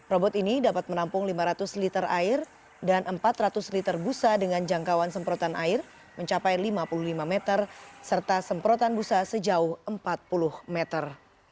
robot ini dapat menampung lima ratus liter air dan empat ratus liter busa dengan jangkauan semprotan air mencapai lima puluh lima meter serta semprotan busa sejauh empat puluh meter